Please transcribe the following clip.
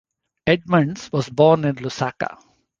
Edmonds was born in Lusaka.